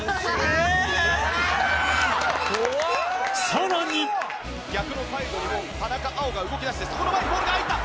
さらに逆のサイドにも田中碧が動きだしてそこの前にボールが入った！